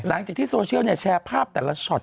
หลังจากที่โซเชียลแชร์ภาพแต่ละช็อต